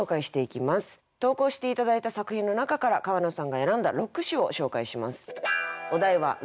投稿して頂いた作品の中から川野さんが選んだ６首を紹介します。